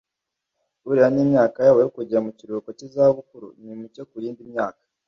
buriya n’imyaka yabo yo kujya mu kiruhuko cy’izabukuru ni mike ku yindi myaka